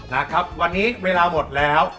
นะครับวันนี้เวลาหมดแล้ว